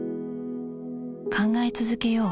考え続けよう